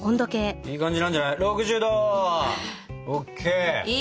いい感じなんじゃない？